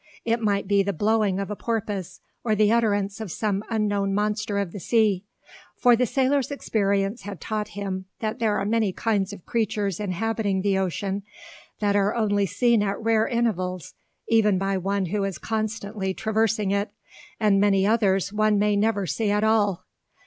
It might be the "blowing" of a porpoise, or the utterance of some unknown monster of the sea: for the sailor's experience had taught him that there are many kinds of creatures inhabiting the ocean that are only seen at rare intervals even by one who is constantly traversing it, and many others one may never see at all.